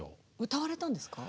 歌われたんですか？